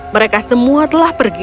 mereka semua telah pergi